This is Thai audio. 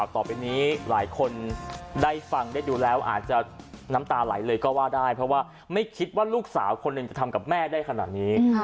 ต่อไปนี้หลายคนได้ฟังได้ดูแล้วอาจจะน้ำตาไหลเลยก็ว่าได้เพราะว่าไม่คิดว่าลูกสาวคนหนึ่งจะทำกับแม่ได้ขนาดนี้